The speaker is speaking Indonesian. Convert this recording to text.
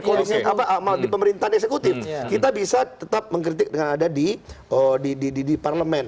kalau amal di pemerintahan eksekutif kita bisa tetap mengkritik dengan ada di parlemen